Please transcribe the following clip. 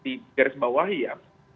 di garis bawah ya